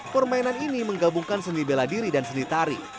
permainan ini menggabungkan seni bela diri dan seni tari